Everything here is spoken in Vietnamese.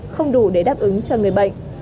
không đủ để đáp ứng cho người bệnh